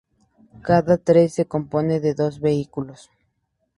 Cada tren se compone de dos vehículos.